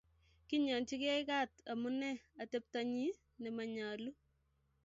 Kinyochikei Kat amune ateptonyi ne manyolu